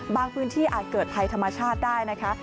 พื้นที่อาจเกิดภัยธรรมชาติได้นะคะ